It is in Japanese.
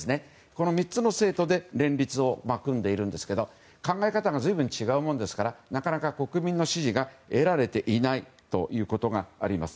この３つの政党で連立を組んでいるんですが考え方が随分違うもんですからなかなか国民の支持が得られていないということがあります。